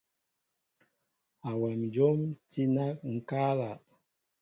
Awem njóm tí na ŋkala.